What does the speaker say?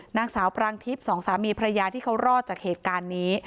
นางสาวปรางทิพย์สองสามีภรรยาที่เขารอดจากเหตุการณ์นี้